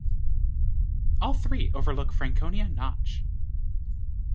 All three overlook Franconia Notch.